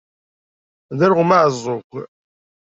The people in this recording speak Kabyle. D alɣem aɛeẓẓug.